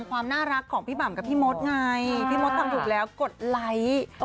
ความน่ารักของพี่หม่ำกับพี่มดไงพี่มดทำถูกแล้วกดไลค์